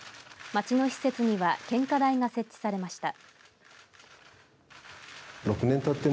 町の施設には献花台が設置されました。